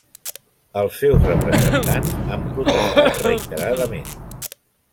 Els seus representants han protestat reiteradament.